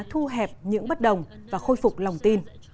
thu hẹp những bất đồng và khôi phục lòng tin